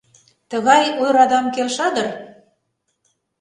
Тыгай ой радам келша дыр?